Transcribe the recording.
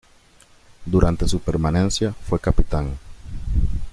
Durante su permanencia fue capitán.